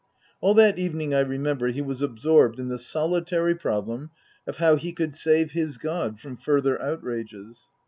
All that evening, I remember, he was absorbed in the solitary problem of how he could save his god from further outrages.